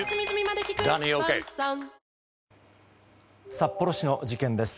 札幌市の事件です。